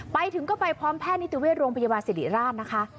ไปถึงก็ไปพร้อมแพทย์นิติเวชโรงพยาบาลสิริราชนะคะ